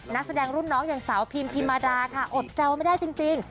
นักแสดงรุ่นน้องอย่างสาวพิมพิมมาดาค่ะอดแซวไม่ได้จริง